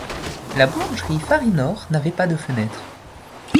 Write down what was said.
La boulangerie Farynor n’avait pas de fenêtres.